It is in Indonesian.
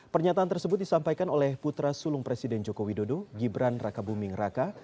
pernyataan tersebut disampaikan oleh putra sulung presiden joko widodo gibran raka buming raka